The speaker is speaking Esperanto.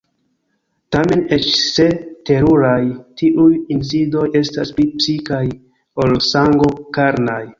Tamen eĉ se teruraj, tiuj insidoj estas pli psikaj ol sango-karnaj.